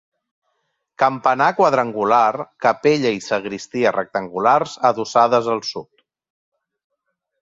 Campanar quadrangular, capella i sagristia rectangulars adossades al sud.